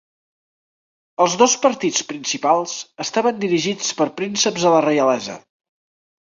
Els dos partits principals estaven dirigits per prínceps de la reialesa.